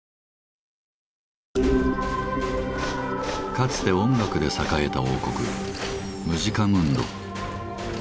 かつて音楽で栄えた王国「ムジカムンド」。